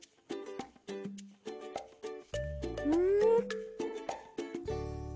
うん！